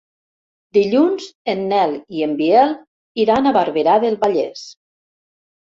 Dilluns en Nel i en Biel iran a Barberà del Vallès.